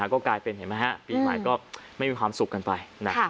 ก็กลายเป็นปีใหม่ก็ไม่มีความสุขกันไป